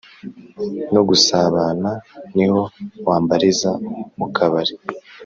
No gusabana niho wambariza mukabari